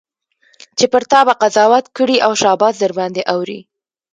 چي پر تا به قضاوت کړي او شاباس درباندي اوري